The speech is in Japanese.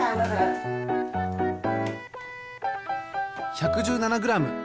１１７グラム。